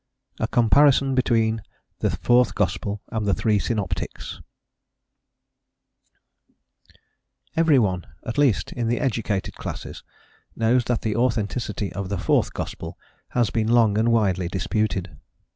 A COMPARISON BETWEEN THE FOURTH GOSPEL AND THE THREE SYNOPTICS EVERY one, at least in the educated classes, knows that the authenticity of the fourth gospel has been long and widely disputed.